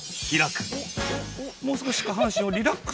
もう少し下半身をリラックス。